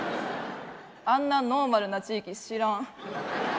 あんなノーマルな地域知らん。